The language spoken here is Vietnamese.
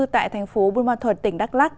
tại thành phố bùn ma thuật tỉnh đắk lắc